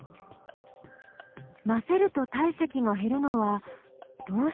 混ぜると体積が減るのはどうして？